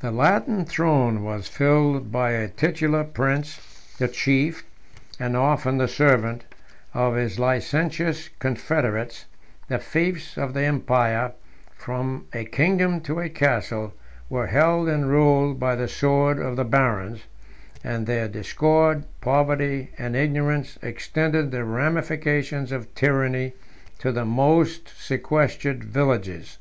The Latin throne was filled by a titular prince, the chief, and often the servant, of his licentious confederates; the fiefs of the empire, from a kingdom to a castle, were held and ruled by the sword of the barons; and their discord, poverty, and ignorance, extended the ramifications of tyranny to the most sequestered villages.